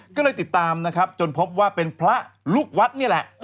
ก็เลยติดตามนะครับจนพบว่าเป็นพระลูกวัดนี่แหละ